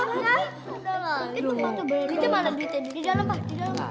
itu mana duitnya di dalam pak